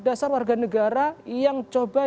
dasar warga negara yang coba